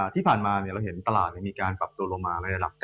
ที่ผ่านมาเราเห็นตลาดมีการปรับตัวลงมาในระดับ๙